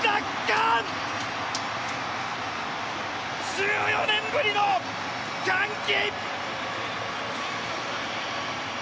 １４年ぶりの歓喜！